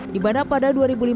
di mana pada dua ribu lima belas